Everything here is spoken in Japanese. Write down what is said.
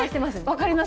分かります？